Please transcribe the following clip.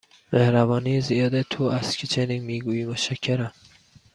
مهربانی زیاد تو است که چنین می گویی، متشکرم.